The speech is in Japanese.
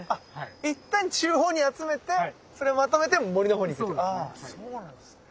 いったん中央に集めてそれをまとめて森の方に行くっていうことですね。